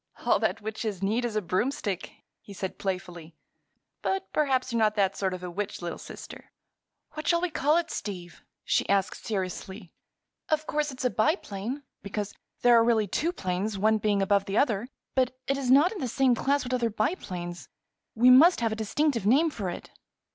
"All that witches need is a broomstick," he said playfully. "But perhaps you're not that sort of a witch, little sister." "What shall we call it, Steve?" she asked, seriously. "Of course it's a biplane, because there are really two planes, one being above the other; but it is not in the same class with other biplanes. We must have a distinctive name for it."